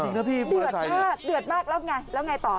เดือดจริงนะพี่บุราษัยเนี่ยะเดือดมากแล้วไงแล้วไงต่อ